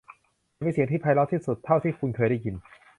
ฉันมีเสียงที่ไพเราะที่สุดเท่าที่คุณเคยได้ยิน